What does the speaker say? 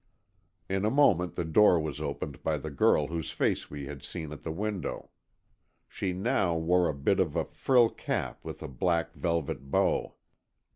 In a moment the door was opened by the girl whose face we had seen at the window. She now wore a bit of a frilled cap with a black velvet bow.